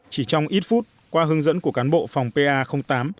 chỉ trong ít phút qua hướng dẫn của cán bộ phòng pa tám